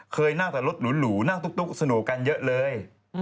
เคยนั่งแต่รถหรูนั่งตุ๊กสนุกกันเยอะเลย